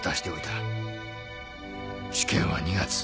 試験は２月。